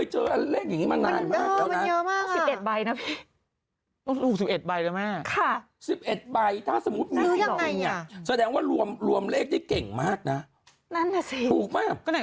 หลอนแต่งตัวแล้วแม้หลอนถูก๖๖ล้านหรือ